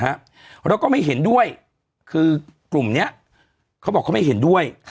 แล้วก็ไม่เห็นด้วยคือกลุ่มเนี้ยเขาบอกเขาไม่เห็นด้วย